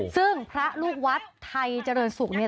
ซึ่งพระลูกวัดไทยเจริญศุกร์